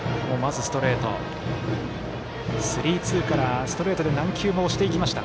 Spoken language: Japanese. スリーツーからストレートで何球も押していきました。